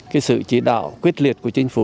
cái sự chỉ đạo quyết liệt của chính phủ